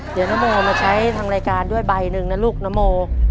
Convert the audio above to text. เดี๋ยวนโมมาใช้ทางรายการด้วยใบหนึ่งนะลูกนโม